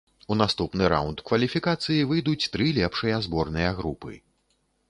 У наступны раўнд кваліфікацыі выйдуць тры лепшыя зборныя групы.